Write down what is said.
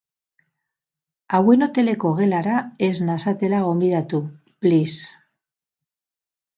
Hauen hoteleko gelara ez nazatela gonbidatu, please.